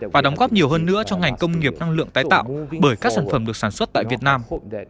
và đóng góp nhiều hơn nữa cho ngành công nghiệp năng lượng tái tạo bởi các sản phẩm được sản xuất tại việt nam